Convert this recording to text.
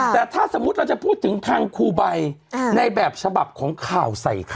แต่ถ้าสมมุติเราจะพูดถึงทางครูใบในแบบฉบับของข่าวใส่ไข่